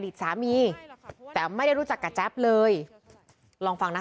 ลูกสาวหลายครั้งแล้วว่าไม่ได้คุยกับแจ๊บเลยลองฟังนะคะ